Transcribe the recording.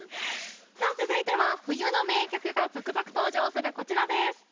続いては冬の名曲が続々登場するこちらです。